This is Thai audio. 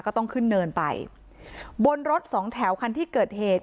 ก็ต้องขึ้นเนินไปบนรถสองแถวคันที่เกิดเหตุ